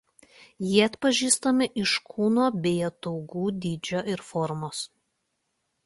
Jie atpažįstami iš kūno bei ataugų dydžio ir formos.